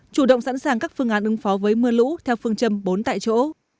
chủ động sẵn sàng các phương án ứng phó với mưa lũ theo phương châm bốn tại chỗ